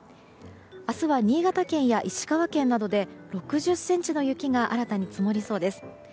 明日は新潟県や石川県などで６０ｃｍの雪が新たに積もりそうです。